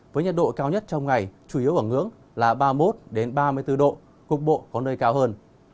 với nhiệt độ cao nhất trong ngày chủ yếu ở ngưỡng là ba mươi một ba mươi bốn độ cục bộ có nơi cao hơn